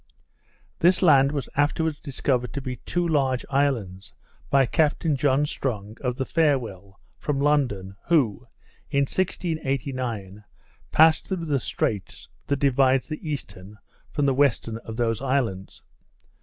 This land was afterwards discovered to be two large islands, by Captain John Strong, of the Farewell, from London, who, in 1689, passed through the strait which divides the eastern from the western of those islands.